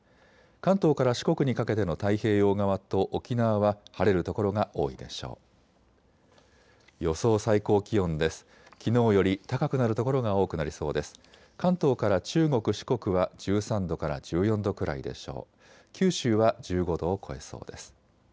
関東から四国にかけての太平洋側と沖縄は晴れる所が多いでしょう。